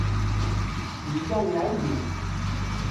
Yella iɛeyyu.